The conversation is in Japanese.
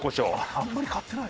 あんまり買ってない。